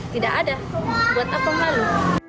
tidak ada buat apa yang malu